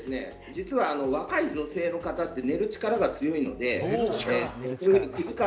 実は若い女性の方って寝る力が強いので、９時間